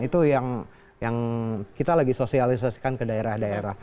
itu yang kita lagi sosialisasikan ke daerah daerah